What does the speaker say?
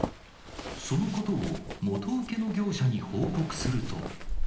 そのことを元請けの業者に報告すると。